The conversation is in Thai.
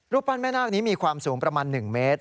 ปั้นแม่นาคนี้มีความสูงประมาณ๑เมตร